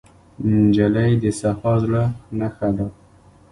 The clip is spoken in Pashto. نجلۍ د صفا زړه نښه ده.